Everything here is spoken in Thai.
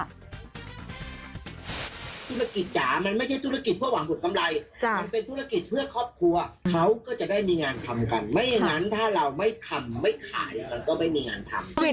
ธุรกิจจ๋ามันไม่ใช่ธุรกิจเพื่อหวังผลกำไรมันเป็นธุรกิจเพื่อครอบครัวเขาก็จะได้มีงานทำกันไม่อย่างนั้นถ้าเราไม่ทำไม่ขายเราก็ไม่มีงานทำ